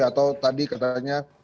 atau tadi katanya